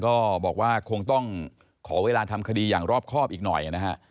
ก็บอกว่าคงต้องขอเวลาทำคดีอย่างรอบครอบอีกหน่อยนะฮะ